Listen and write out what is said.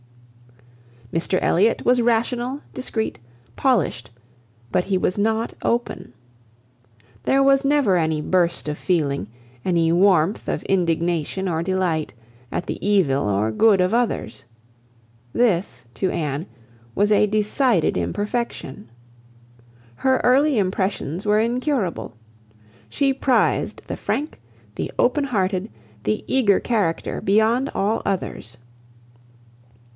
Mr Elliot was rational, discreet, polished, but he was not open. There was never any burst of feeling, any warmth of indignation or delight, at the evil or good of others. This, to Anne, was a decided imperfection. Her early impressions were incurable. She prized the frank, the open hearted, the eager character beyond all others.